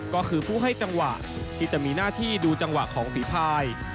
ก็คือผู้ให้จังหวะที่จะมีหน้าที่ดูจังหวะของฝีภาย